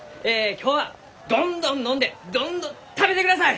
今日はどんどん飲んでどんどん食べてください！